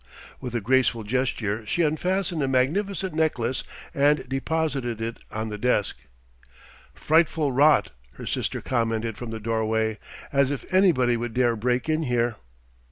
With a graceful gesture she unfastened a magnificent necklace and deposited it on the desk. "Frightful rot," her sister commented from the doorway. "As if anybody would dare break in here."